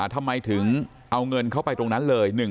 ทำไมถึงเอาเงินเข้าไปตรงนั้นเลย